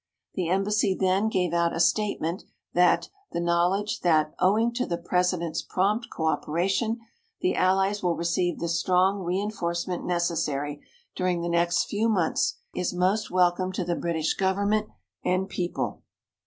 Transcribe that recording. The Embassy then gave out a statement that "the knowledge that, owing to the President's prompt co operation, the Allies will receive the strong reinforcement necessary during the next few months is most welcome to the British Government and people."